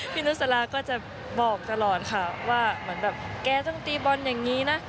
นุสลาก็จะบอกตลอดค่ะว่าเหมือนแบบแกต้องตีบอลอย่างนี้นะ